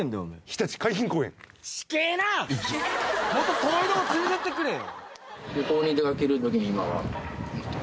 もっと遠いとこ連れていってくれよ！